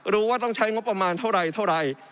รู้ว่าต้องใช้งบประมาณเท่าไหร่